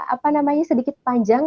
apa namanya sedikit panjang